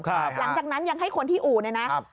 หลังจากนั้นยังให้คนที่อู่เนี่ยนะครับ